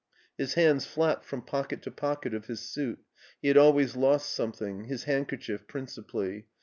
His hands flapped from pocket to pocket of his suit. He had always lost something, his handkerchief principally.